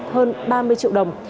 hơn ba mươi triệu đồng